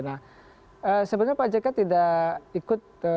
nah sebenarnya pak jk tidak ikut